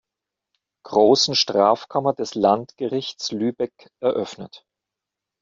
Großen Strafkammer des Landgerichts Lübeck eröffnet.